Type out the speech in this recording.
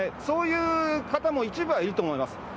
そういう方も一部はいると思います。